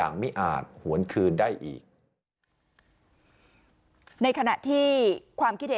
ในขณะที่ความคิเทศภาพ